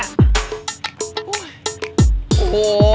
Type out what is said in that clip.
โอ้โห